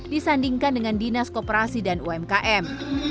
disandingkan dengan dinas koperasi dan umkm